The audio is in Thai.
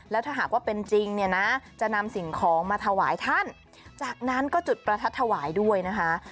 แล้วถ้าหากว่าเป็นจริงเนี่ยนะจะนำสิ่งของมาถวายท่านจากนั้นก็จุดประทัดถวายด้วยนะคะ